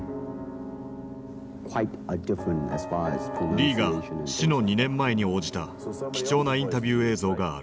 リーが死の２年前に応じた貴重なインタビュー映像がある。